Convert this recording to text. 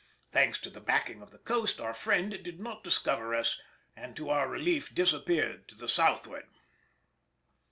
Thanks to the backing of the coast, our friend did not discover us and to our relief disappeared to the southward.